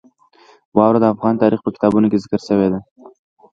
واوره د افغان تاریخ په کتابونو کې ذکر شوی دي.